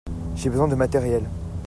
J'ai besoin de matériels.